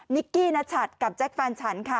นิกกี้นัชัตริย์กับแจ็คแฟนฉันค่ะ